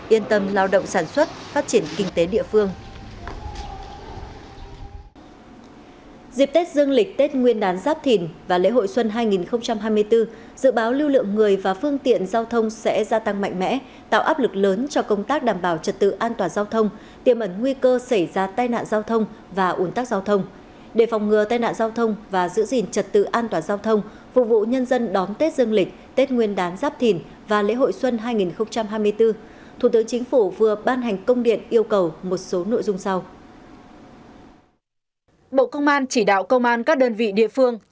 yên tâm lao động sản xuất phát triển kinh tế địa phương